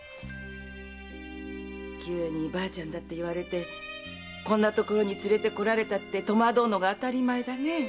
急にばあちゃんだって言われてこんな所に連れて来られたって戸惑うのが当たり前だね。